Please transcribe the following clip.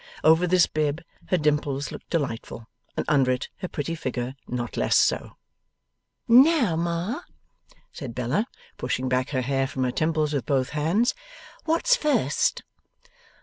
Over this bib her dimples looked delightful, and under it her pretty figure not less so. 'Now, Ma,' said Bella, pushing back her hair from her temples with both hands, 'what's first?